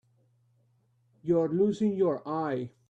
You're losing your eye.